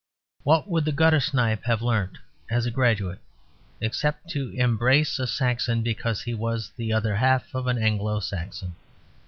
What would the guttersnipe have learnt as a graduate, except to embrace a Saxon because he was the other half of an Anglo Saxon?